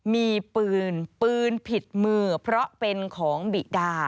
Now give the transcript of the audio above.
มีปืนปืนผิดมือเพราะเป็นของบิดา